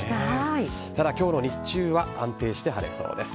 ただ、今日の日中は安定して晴れそうです。